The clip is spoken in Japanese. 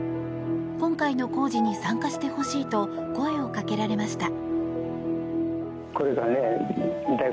今回の工事に参加してほしいと声をかけられました。